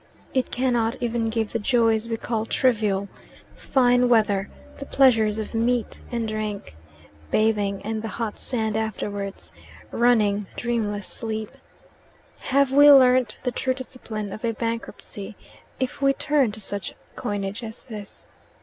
It cannot even give the joys we call trivial fine weather, the pleasures of meat and drink, bathing and the hot sand afterwards, running, dreamless sleep. Have we learnt the true discipline of a bankruptcy if we turn to such coinage as this?